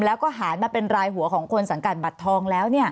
แล้วก็หารมาเป็นรายหัวของคนสังกัดบัตรทองแล้ว